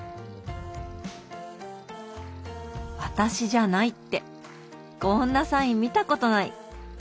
「私じゃない」ってこんなサイン見たことない。